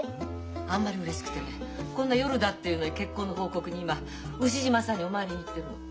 あんまりうれしくてねこんな夜だっていうのに結婚の報告に今牛嶋さんにお参りに行ってるの。